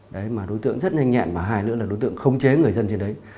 đấy mà đối tượng rất nhanh nhẹn và hai nữa là đối tượng khống chế người dân trên đấy